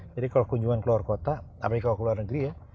jadi kalau kunjungan ke luar kota apalagi kalau ke luar negeri ya